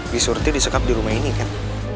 disurti disekap di rumah ini kan